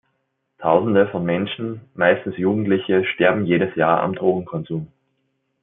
Tausende von Menschen, meistens Jugendliche, sterben jedes Jahr am Drogenkonsum.